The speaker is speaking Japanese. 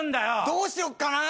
どうしよっかな。